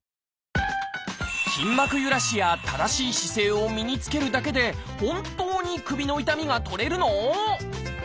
筋膜ゆらしや正しい姿勢を身につけるだけで本当に首の痛みが取れるの？